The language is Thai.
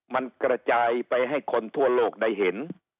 มันกระจายไปให้คนทั่วโลกได้เห็น